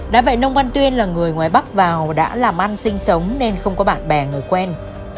đã vậy nông văn tuyên là người ngoài bắc vào đã làm ăn sinh sống nên không có bạn bè người quen